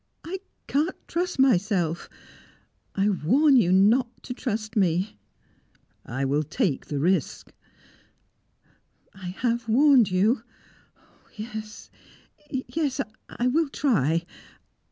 I can't trust myself I warn you not to trust me!" "I will take the risk!" "I have warned you. Yes, yes! I will try!